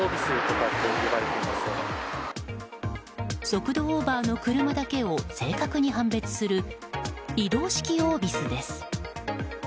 速度オーバーの車だけを正確に判別する移動式オービスです。